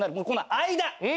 この間。